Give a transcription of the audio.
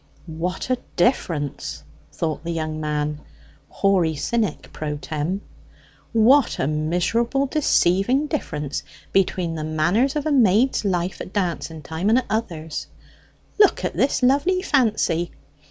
"What a difference!" thought the young man hoary cynic pro tem. "What a miserable deceiving difference between the manners of a maid's life at dancing times and at others! Look at this lovely Fancy!